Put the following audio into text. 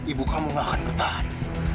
ibu kamu gak akan bertahan